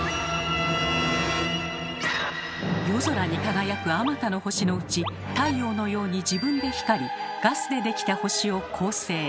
夜空に輝くあまたの星のうち太陽のように自分で光りガスでできた星を「恒星」